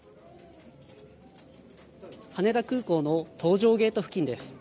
羽田空港の搭乗ゲート付近です。